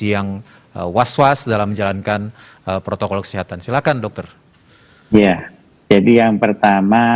ya jadi yang pertama